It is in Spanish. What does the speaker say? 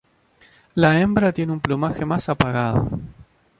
La hembra tiene un plumaje más apagado.